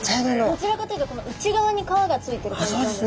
どちらかというとこの内側に皮がついてる感じなんですか？